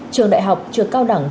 trường đại học trường cao đẳng